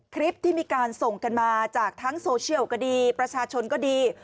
คลิปที่มีการส่งกันมาจากทั้งโซเชียลก็ดีประชาชนก็ดี